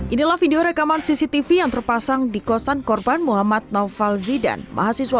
inilah video rekaman cctv yang terpasang di kosan korban muhammad naufal zidan mahasiswa